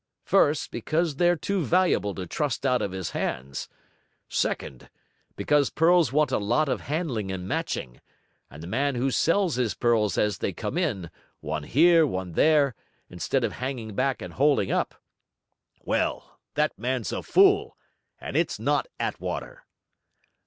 First, because they're too valuable to trust out of his hands. Second, because pearls want a lot of handling and matching; and the man who sells his pearls as they come in, one here, one there, instead of hanging back and holding up well, that man's a fool, and it's not Attwater.'